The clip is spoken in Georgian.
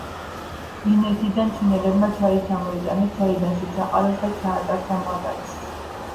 ინეთიდან ჩინელებმა ჩაი ჩამოიტანეს, ჩაიდანში ჩაყარეს და ჩაატარ-ჩამოატარეს.